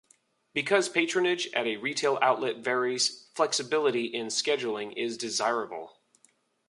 Because patronage at a retail outlet varies, flexibility in scheduling is desirable.